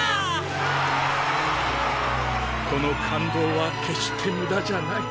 この感動は決して無駄じゃない。